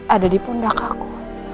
ada di pundak aku